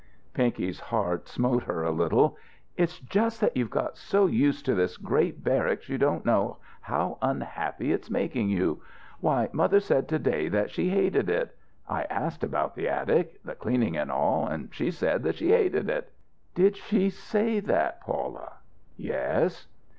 Pinky's heart smote her a little. "It's just that you've got so used to this great barracks you don't know how unhappy it's making you. Why, mother said to day that she hated it. I asked about the attic the cleaning and all and she said that she hated it." "Did she say that, Paula?" "Yes."